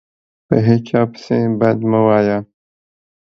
په هیچا پسي بد مه وایه